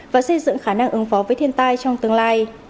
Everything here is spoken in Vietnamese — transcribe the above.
và xây dựng khả năng ứng phó với thiên tai trong tương lai